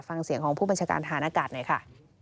ฟังเสียงของผู้บัญชาการฐานอากาศหน่อยค่ะ